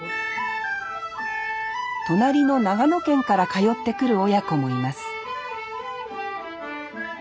隣の長野県から通ってくる親子もいます